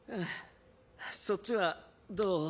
そっちはどう？